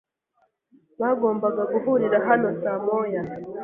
Bagombaga guhurira hano saa moya.